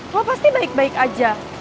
gue pasti baik baik aja